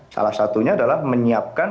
salah satunya adalah menyiapkan